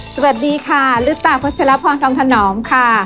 สวัสดีค่ะฤตาวัดชรภาพทองค์ธนอมค่ะ